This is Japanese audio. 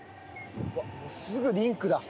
すぐリンクだ。